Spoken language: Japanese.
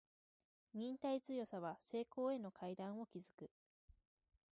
忍耐強さは成功への階段を築く